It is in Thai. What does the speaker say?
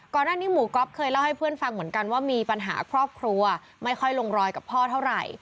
หน้าหมูก๊อฟเคยเล่าให้เพื่อนฟังเหมือนกันว่ามีปัญหาครอบครัวไม่ค่อยลงรอยกับพ่อเท่าไหร่